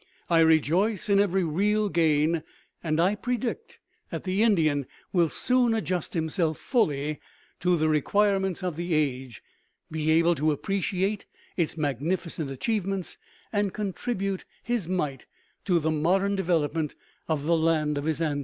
I rejoice in every real gain; and I predict that the Indian will soon adjust himself fully to the requirements of the age, be able to appreciate its magnificent achievements, and contribute his mite to the modern development of the land of his ancestors.